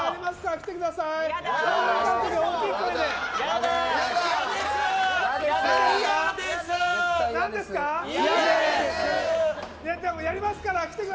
来てください、早く。